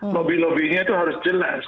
lobby lobbynya itu harus jelas